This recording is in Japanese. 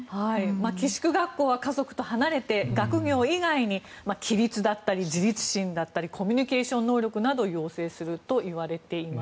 寄宿学校は家族と離れて学業以外に規律だったり自立心だったりコミュニケーション能力を養成するといわれています。